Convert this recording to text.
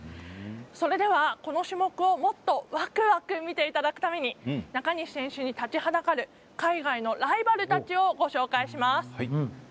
それでは、この種目をもっとワクワク見ていただくために中西選手に立ちはだかる海外のライバルたちをご紹介します。